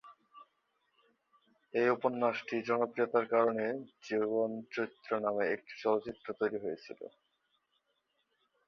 এই উপন্যাসটি জনপ্রিয়তার কারণে "জীবন চৈত্র" নামে একটি চলচ্চিত্র তৈরি হয়েছিল।